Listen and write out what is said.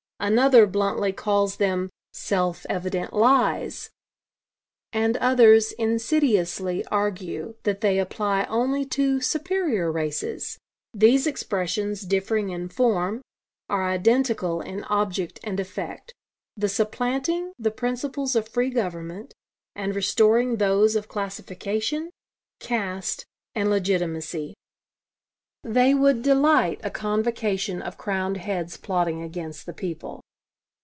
Another bluntly calls them 'self evident lies.' And others insidiously argue that they apply only to 'superior races.' These expressions, differing in form, are identical in object and effect the supplanting the principles of free government, and restoring those of classification, caste, and legitimacy. They would delight a convocation of crowned heads plotting against the people.